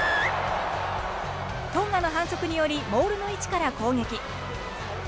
トンガの反則によりモールの位置から攻撃。